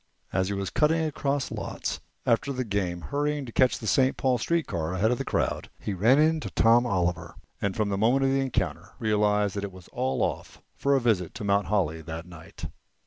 As he was cutting across lots after the game, hurrying to catch a St. Paul street car ahead of the crowd, he ran into Tom Oliver, and from the moment of the encounter realized that it was all off for a visit to Mount Holly that night.